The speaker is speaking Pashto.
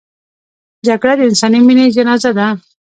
جګړه د انساني مینې جنازه ده